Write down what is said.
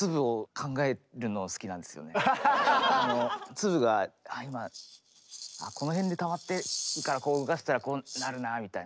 粒が今この辺でたまってるからこう動かしたらこうなるなみたいな。